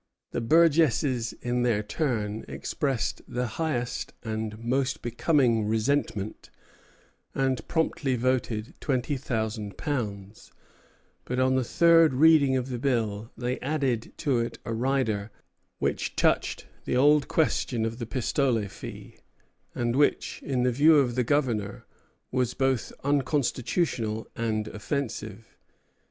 The burgesses in their turn expressed the "highest and most becoming resentment," and promptly voted twenty thousand pounds; but on the third reading of the bill they added to it a rider which touched the old question of the pistole fee, and which, in the view of the Governor, was both unconstitutional and offensive.